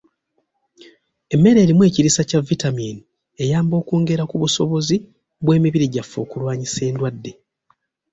Emmere erimu ekiriisa kya vitamiini eyamba okwongera ku busobozi bw'emibiri gyaffe okulwanyisa endwadde.